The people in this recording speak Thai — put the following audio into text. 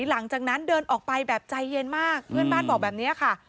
หลังจากนั้นเดินออกไปแบบใจเย็นมากเพื่อนบ้านบอกแบบนี้ค่ะ